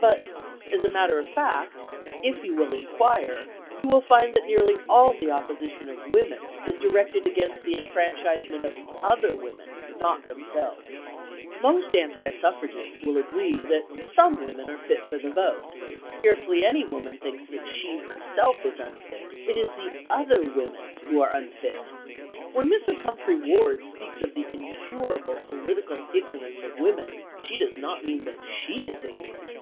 But, as a matter of fact, if you will inquire, you will find that nearly all the opposition of women is directed against the enfranchisement of other women, not themselves. Most anti suffragists will agree that some women are fit for the vote. Scarcely any woman thinks that she herself is unfit; it is the other women who are unfit. When Mrs. Humphry Ward speaks of the incurable political ignorance of women, she does not mean that she is ignorant.